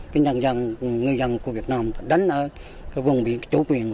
với những dân dân người dân của việt nam đánh ở vùng biển chủ quyền